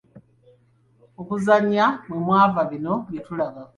Mu kuzannya mwe mwava bino byetulaba.